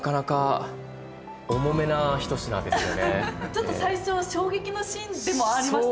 ちょっと最初衝撃なシーンでもありましたもんね